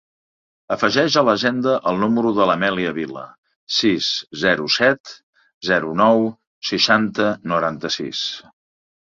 Afegeix a l'agenda el número de l'Amèlia Vila: sis, zero, set, zero, nou, seixanta, noranta-sis.